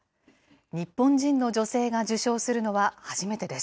日本人の女性が受賞するのは初めてです。